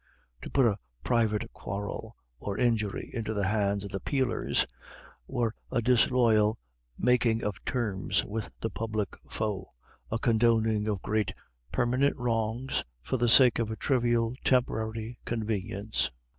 To put a private quarrel or injury into the hands of the peelers were a disloyal making of terms with the public foe; a condoning of great permanent wrongs for the sake of a trivial temporary convenience.